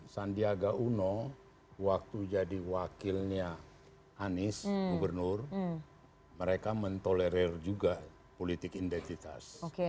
sandiaga uno waktu jadi wakilnya anies gubernur mereka mentolerir juga politik identitas